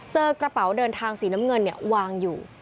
เจอกระเป๋าเดินทางสีน้ำเงินวางอยู่